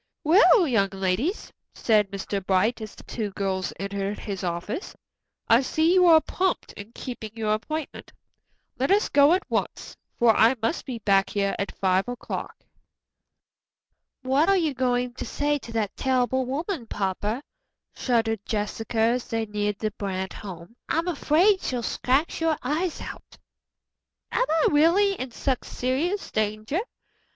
"Well, young ladies," said Mr. Bright, as the two girls entered his office, "I see you are prompt in keeping your appointment. Let us go at once, for I must be back here at five o'clock." "What are you going to say to that terrible woman, papa?" shuddered Jessica as they neared the Brant home. "I'm afraid she'll scratch your eyes out." "Am I really in such serious danger?"